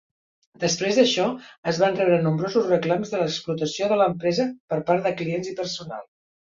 Després d'això, es van rebre nombrosos reclams de l'explotació de l'empresa per part de clients i personal.